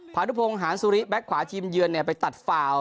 พานุพงศ์หานสุริแบ็คขวาทีมเยือนไปตัดฟาว